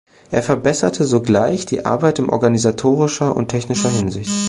Er verbesserte sogleich die Arbeit in organisatorischer und technischer Hinsicht.